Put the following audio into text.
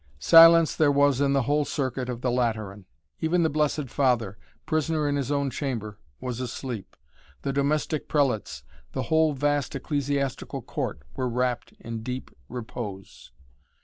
Silence there was in the whole circuit of the Lateran. Even the Blessed Father, prisoner in his own chamber, was asleep. The domestic prelates, the whole vast ecclesiastical court were wrapt in deep repose.